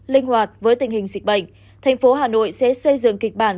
linh hoạt với tình hình dịch bệnh thành phố hà nội sẽ xây dựng kịch bản